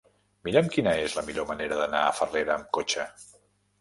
Mira'm quina és la millor manera d'anar a Farrera amb cotxe.